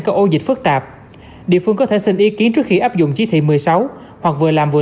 các ổ dịch phức tạp địa phương có thể xin ý kiến trước khi áp dụng chí thị một mươi sáu hoặc vừa làm vừa